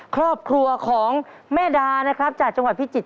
ครอบครัวของเมดาจากจังหวัดภิกษิษฎ์